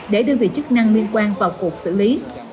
để đơn vị chức năng liên quan vào cuộc xử lý